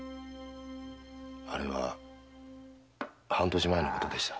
あれは半年前のことでした。